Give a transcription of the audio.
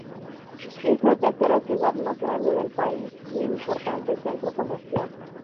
Es la tercera ciudad más grande del país, y un importante centro comercial.